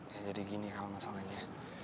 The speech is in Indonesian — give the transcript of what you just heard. ya jadi gini kalau masalahnya